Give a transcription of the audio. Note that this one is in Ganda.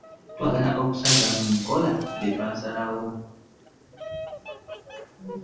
Twagala okussa mu nkola bye twasalawo.